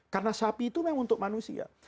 karena sapi itu memang untuk manusia